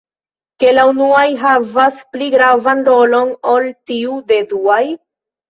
Ke la unuaj havas pli gravan rolon ol tiu de duaj?